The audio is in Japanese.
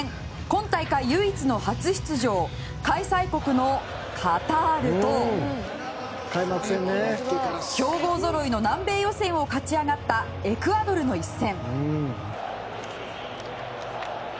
今大会唯一の初出場開催国のカタールと強豪ぞろいの南米予選を勝ち上がったエクアドルの一戦。